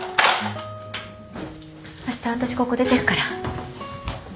あした私ここ出てくから